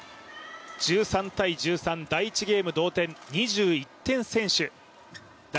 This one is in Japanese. １３−１３、第１ゲーム同点２１点先取。